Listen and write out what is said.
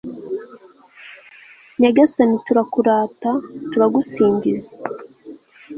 nyagasani turakurata, turagusingiza